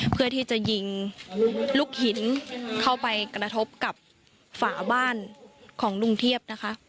เพื่อที่จะยิงลูกหินเข้าไปกระทบกับฝาบ้านของลุงเทียบนะคะ